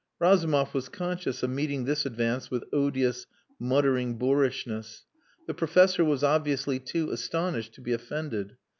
Razumov was conscious of meeting this advance with odious, muttering boorishness. The professor was obviously too astonished to be offended.